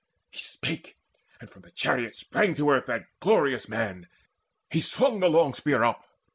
He spake; and from the chariot sprang to earth That glorious man: he swung the long spear up.